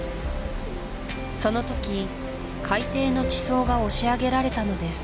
その時海底の地層が押し上げられたのです